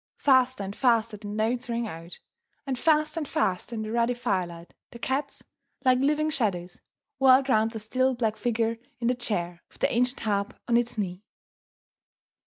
Faster and faster the notes rang out, and faster and faster in the ruddy firelight, the cats, like living shadows, whirled round the still black figure in the chair, with the ancient harp on its knee.